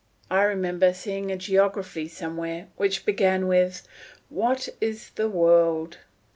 I remember seeing a geography somewhere which began with: "What is the world?"